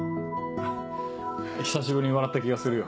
久しぶりに笑った気がするよ。